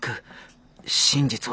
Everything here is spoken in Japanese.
真実は。